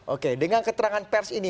oke dengan keterangan pers ini